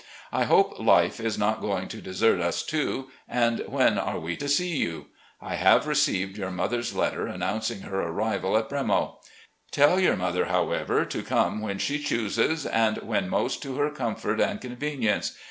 I hope 'Life' is not going to desert us too, and when are we to see you? ... I have received your mother's letter announcing her arrival at ' Bremo.' ... Tell your mother, however, to come when she chooses and when most to her comfort and convenience.